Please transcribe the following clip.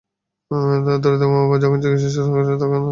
দরিদ্র মা-বাবা যখন চিকিৎসা শুরু করেন, তখন বেশ দেরি হয়ে গেছে।